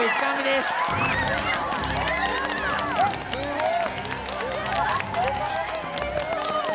すごい！